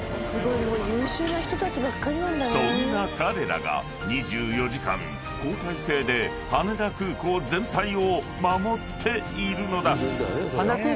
［そんな彼らが２４時間交代制で羽田空港全体を守っているのだ］